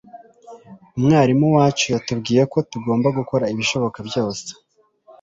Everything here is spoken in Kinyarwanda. Umwarimu wacu yatubwiye ko tugomba gukora ibishoboka byose